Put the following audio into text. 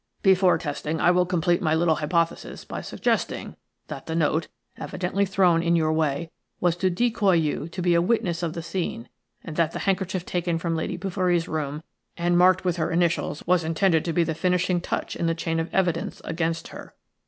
"Before testing, I will complete my little hypothesis by suggesting that the note, evidently thrown in your way, was to decoy you to be a witness of the scene, and that the handkerchief taken from Lady Bouverie's room and marked with her initials was intended to be the finishing touch in the chain of evidence against her.